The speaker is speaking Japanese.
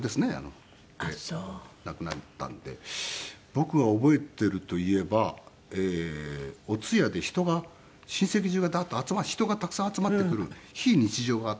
僕が覚えているといえばお通夜で人が親戚中がダーッと人がたくさん集まってくる非日常があった。